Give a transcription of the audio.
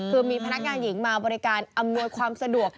คือมีพนักงานหญิงมาบริการอำนวยความสะดวก